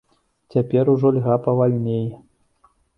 Цяпер ужо льга павальней.